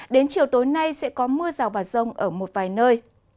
đến chiều tối nay sẽ có mưa rào và rông ở một vài nơi